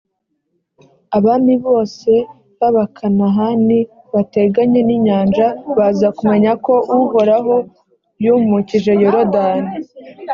abami bose b’abakanahani bateganye n’inyanja, baza kumenya ko uhoraho yumukije yorudani.